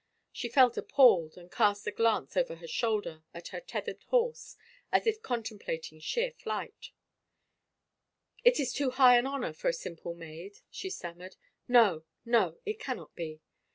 She felt appalled and cast a glance over her shoulder at her tethered horse as if contemplating sheer flight " It is too high an honor for a simple maid," she stam mered. " No, no, it cannot be."